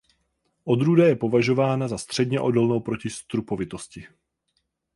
Odrůda je považována za středně odolnou proti strupovitosti.